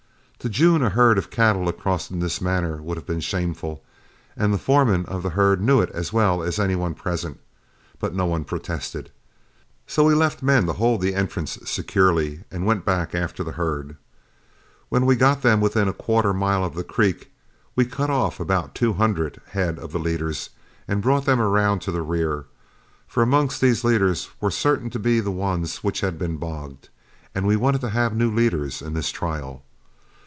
To June a herd of cattle across in this manner would have been shameful, and the foreman of the herd knew it as well as any one present; but no one protested, so we left men to hold the entrance securely and went back after the herd. When we got them within a quarter of a mile of the creek, we cut off about two hundred head of the leaders and brought them around to the rear, for amongst these leaders were certain to be the ones which had been bogged, and we wanted to have new leaders in this trial.